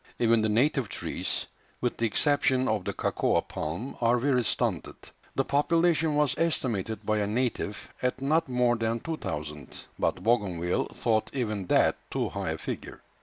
Even the native trees, with the exception of the cocoa palm, are very stunted. The population was estimated by a native at not more than 2000, but Bougainville thought even that too high a figure.